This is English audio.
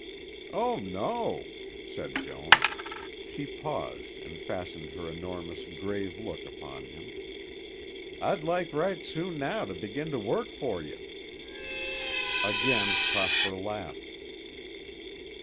"Oh, no," said Joan. She paused and fastened her enormous, grave look upon him. "I'd like right soon now to begin to work for you." Again Prosper laughed.